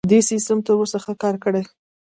دې سیستم تر اوسه ښه کار کړی.